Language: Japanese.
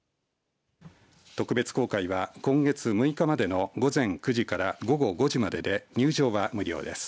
特別公開は今月６日までの午前９時から午後５時までで入場は無料です。